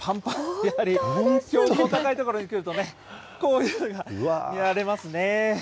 やはり標高の高い所に来るとね、こういうのが見られますね。